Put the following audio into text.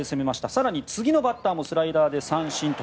更に、次のバッターもスライダーで三振と。